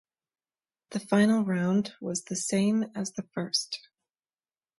The final round was the same as the first.